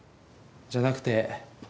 じゃなくて